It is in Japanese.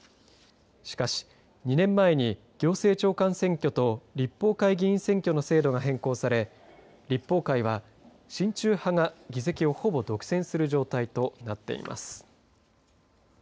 しかし、２年前に行政長官選挙と立法会議員選挙の制度が変更され立法会は親中派が議席を、ほぼ独占する状態となっています。